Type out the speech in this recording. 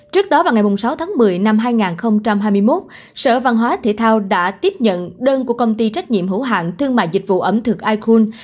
trước đó vào ngày sáu tháng một mươi năm hai nghìn hai mươi một sở văn hóa thể thao đã tiếp nhận đơn của công ty trách nhiệm hữu hạng thương mại dịch vụ ẩm thực icon